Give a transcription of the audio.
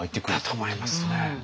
だと思いますね。